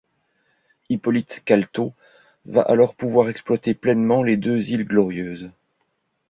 Hippolyte Caltaux va alors pouvoir exploiter pleinement les deux îles Glorieuses.